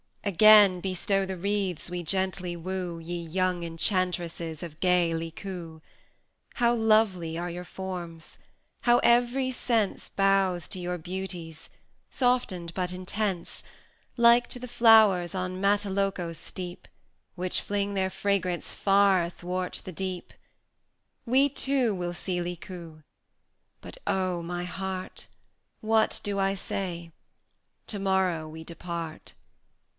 Again bestow the wreaths we gently woo, Ye young Enchantresses of gay Licoo! How lovely are your forms! how every sense Bows to your beauties, softened, but intense,[fi] 60 Like to the flowers on Mataloco's steep, Which fling their fragrance far athwart the deep! We too will see Licoo; but oh! my heart! What do I say? to morrow we depart!